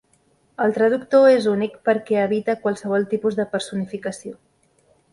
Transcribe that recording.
El traductor és únic perquè evita qualsevol tipus de personificació.